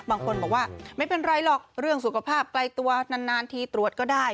บางคนบอกว่าไม่เป็นไรหรอกเรื่องสุขภาพไกลตัวนานทีตรวจก็ได้